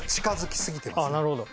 なるほど。